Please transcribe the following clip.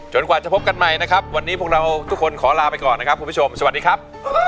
กว่าจะพบกันใหม่นะครับวันนี้พวกเราทุกคนขอลาไปก่อนนะครับคุณผู้ชมสวัสดีครับ